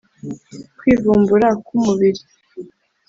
kwivumbura k’umubiri